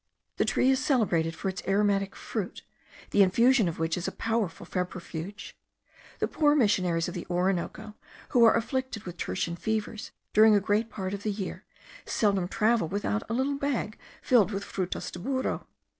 The tree is celebrated for its aromatic fruit, the infusion of which is a powerful febrifuge. The poor missionaries of the Orinoco, who are afflicted with tertian fevers during a great part of the year, seldom travel without a little bag filled with frutas de burro.